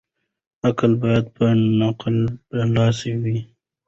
عقل بايد په نقل برلاسی وي.